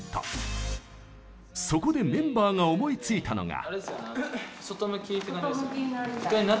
そこでメンバーが思いついたのが。